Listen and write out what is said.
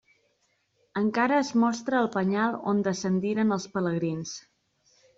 Encara es mostra el penyal on descendiren els pelegrins.